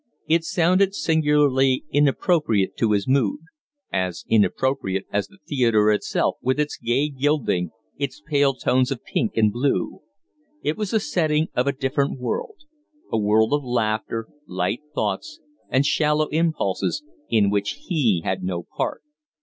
It sounded singularly inappropriate to his mood as inappropriate as the theatre itself with its gay gilding, its pale tones of pink and blue. It was the setting of a different world a world of laughter, light thoughts, and shallow impulses, in which he had no part.